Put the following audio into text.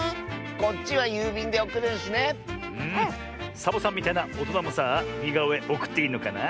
サボさんみたいなおとなもさあにがおえおくっていいのかな？